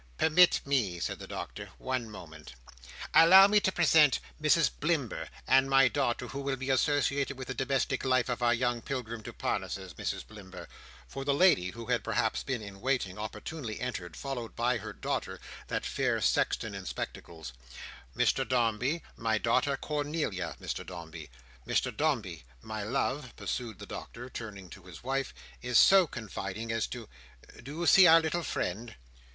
"Permit me," said the Doctor, "one moment. Allow me to present Mrs Blimber and my daughter; who will be associated with the domestic life of our young Pilgrim to Parnassus Mrs Blimber," for the lady, who had perhaps been in waiting, opportunely entered, followed by her daughter, that fair Sexton in spectacles, "Mr Dombey. My daughter Cornelia, Mr Dombey. Mr Dombey, my love," pursued the Doctor, turning to his wife, "is so confiding as to—do you see our little friend?"